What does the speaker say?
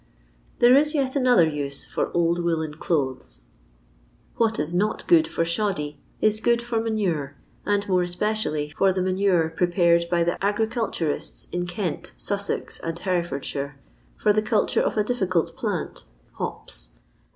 There is yet another use for old woollen clothes. 32 LONDOX LABOUR AND THE LONDON POOR. What is not good for shoddy is good for manure, and more especially for the manure prepared by the Agriculturists in Kent, Sussex, and Hereford shire, for the culture of a difficult plant — hops.